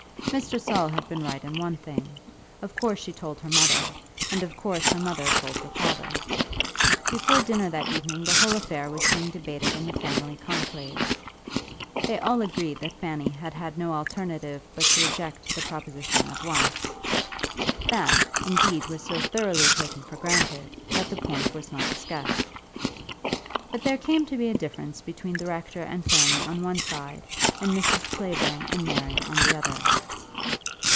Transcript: Mr. Saul had been right in one thing. Of course she told her mother, and of course her mother told her father. Before dinner that evening the whole affair was being debated in the family conclave. They all agreed that Fanny had had no alternative but to reject the proposition at once. That, indeed, was so thoroughly taken for granted, that the point was not discussed. But there came to be a difference between the Rector and Fanny on one side, and Mrs. Clavering and Mary on the other.